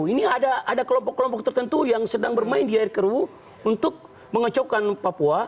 ini ada kelompok kelompok tertentu yang sedang bermain di air kerwu untuk mengecokkan papua